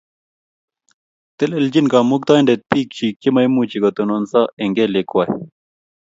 Telelenjini Kamukatindet bik chiik chemaimuchi kotononso eng kelywek kwai